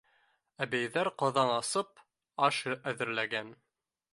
Әбейҙәр ҡаҙан аҫып, аш әҙерләгән.